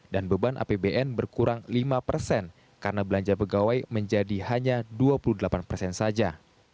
dan beban apbn berkurang lima persen karena belanja pegawai menjadi hanya dua puluh delapan persen saja